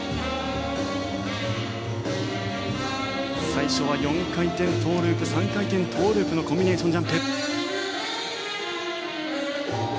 最初は４回転トウループ３回転トウループのコンビネーションジャンプ。